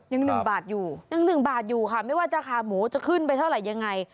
ยัง๑บาทอยู่ค่ะไม่ว่าราคาหมูจะขึ้นไปเท่าไรยังไง